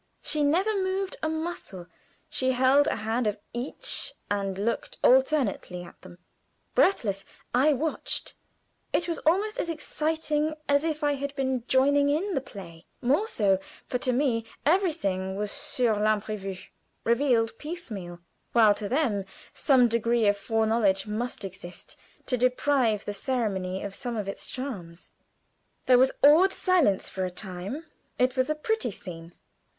She never moved a muscle. She held a hand of each, and looked alternately at them. Breathless, I watched. It was almost as exciting as if I had been joining in the play more so, for to me everything was sur l'imprévu revealed piecemeal, while to them some degree of foreknowledge must exist, to deprive the ceremony of some of its charms. There was awed silence for a time. It was a pretty scene.